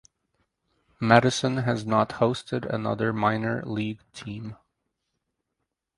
Madison has not hosted another minor league team.